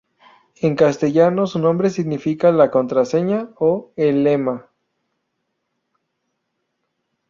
En castellano, su nombre significa La "Contraseña" o "El" "Lema".